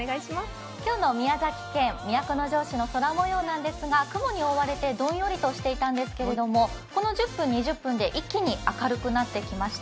今日の宮崎県都城市の空模様なんですが、雲に覆われてどんよりとしていたんですけど、この１０２０分で一気にからっとしてきました。